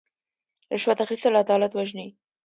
رشوت اخیستل عدالت وژني.